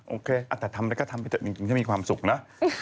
โอเคแต่ทำไปก็ทำไปจริงจะมีความสุขนะ